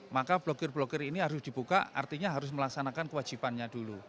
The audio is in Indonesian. maka blokir blokir ini harus dibuka artinya harus melaksanakan kewajibannya dulu